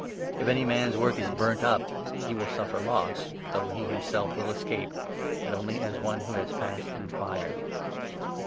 If any man's work is burnt up, he will suffer 15 loss ; though he himself will escape, but only as one who has passed through fire.